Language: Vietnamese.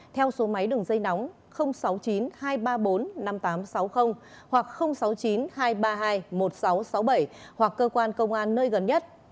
theo số máy đường dây nóng sáu mươi chín hai trăm ba mươi bốn năm nghìn tám trăm sáu mươi hoặc sáu mươi chín hai trăm ba mươi hai một nghìn sáu trăm sáu mươi bảy hoặc cơ quan công an nơi gần nhất